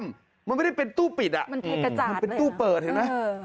มันไม่ได้เป็นตู้ปิดมันเป็นตู้เปิดเห็นไหม